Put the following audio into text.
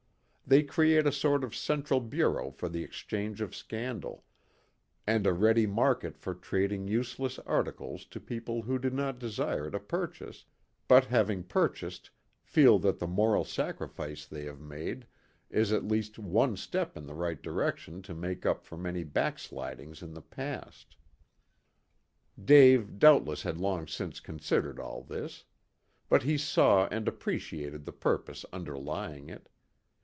They create a sort of central bureau for the exchange of scandal, and a ready market for trading useless articles to people who do not desire to purchase, but having purchased feel that the moral sacrifice they have made is at least one step in the right direction to make up for many backslidings in the past. Dave doubtless had long since considered all this. But he saw and appreciated the purpose underlying it.